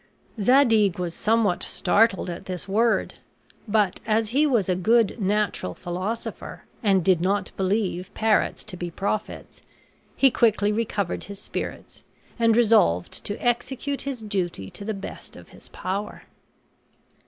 Zadig was somewhat startled at this word. But as he was a good natural philosopher and did not believe parrots to be prophets, he quickly recovered his spirits and resolved to execute his duty to the best of his power.